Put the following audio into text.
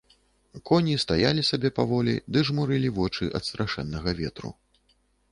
Коні стаялі сабе паволі ды жмурылі вочы ад страшэннага ветру.